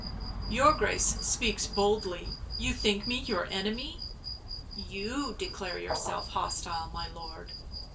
" Your Grace speaks boldly — you think me your enemy ?"" You declare yourself hostile, my lord."